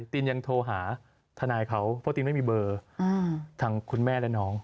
ตินยังโทรหาทนายเขาเพราะตินไม่มีเบอร์ทางคุณแม่และน้อง